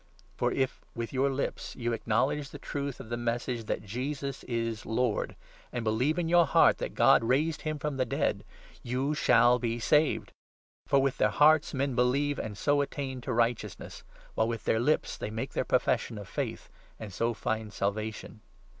For, 9 if with your lips you acknowledge the truth of the Message that JESUS IS LORD, and believe in your heart that God raised him from the dead, you shall be saved. For with their 10 hearts men believe and so attain to righteousness, while with their lips they make their Profession of Faith and so find Salvation.